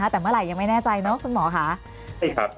แต่เมื่อไหร่ยังไม่แน่ใจเนอะคุณหมอค่ะ